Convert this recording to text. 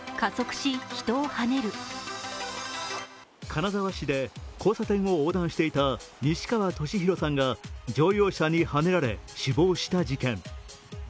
金沢市で交差点を横断していた西川俊宏さんが乗用車にはねられ死亡した事件。